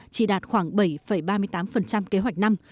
chỉ đạt khoảng bảy ba mươi tám kế hoạch năm